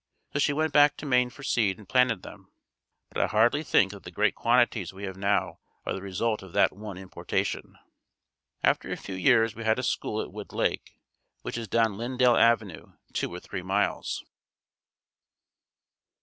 So she sent back to Maine for seed and planted them. But I hardly think that the great quantities we have now are the result of that one importation. After a few years we had a school at Wood Lake, which is down Lyndale avenue two or three miles.